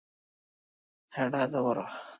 Sir, এতো বড়?